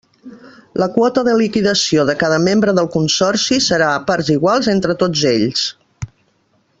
La quota de liquidació de cada membre del consorci serà a parts iguals entre tots ells.